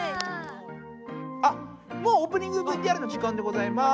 あっもうオープニングＶＴＲの時間でございます。